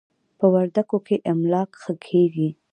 په وردکو کې املاک ښه کېږي.